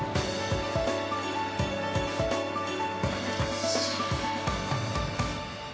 よし。